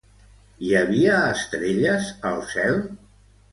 Hi havia estrelles al cel?